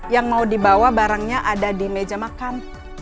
yang mau dibawa barangnya ada di meja makan